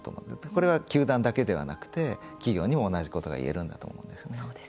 これは球団だけではなくて企業にも同じことが言えると思うんです。